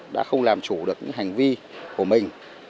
đã không làm chủ được hành vi của mình